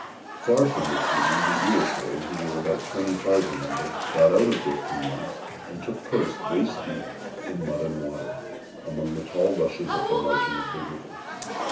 Far from retreating, the Iroquois, who were about twenty five in number, got out of their canoes, and took post, waist deep in mud and water, among the tall rushes at the margin of the river.